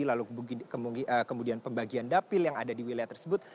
lalu kemudian pembagian dapil yang ada di wilayah tersebut